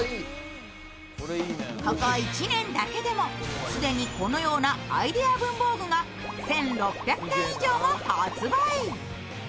ここ１年だけでも既にこのようなアイデア文房具が１６００点以上も発売。